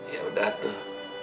ya udah tuh